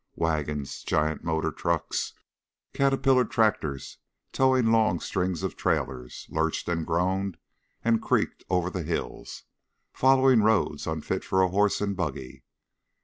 Wagons, giant motor trucks, caterpillar tractors towing long strings of trailers, lurched and groaned and creaked over the hills, following roads unfit for a horse and buggy.